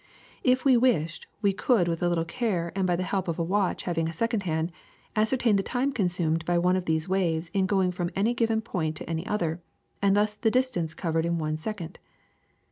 If we wished, we could, with a little care and by the help of a watch having a second hand, ascertain the time consumed by one of these waves in going from any given point to any other, and thus the distance covered in one second.